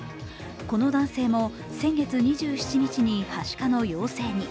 この男性も先月２７日にはしかの陽性に。